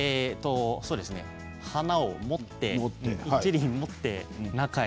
花を持って、一輪持って中へ。